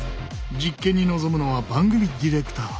実験に臨むのは番組ディレクター。